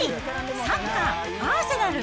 サッカー・アーセナル。